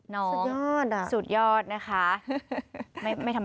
น้องสุดยอดนะคะไม่ทำไม